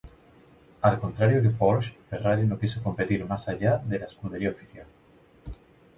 Al contrario que Porsche, Ferrari no quiso competir más allá de la escudería oficial.